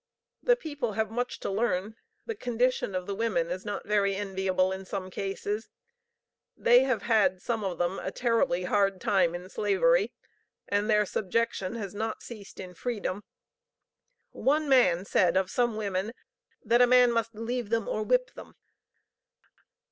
The people have much to learn. The condition of the women is not very enviable in some cases. They have had some of them a terribly hard time in Slavery, and their subjection has not ceased in freedom. One man said of some women, that a man must leave them or whip them.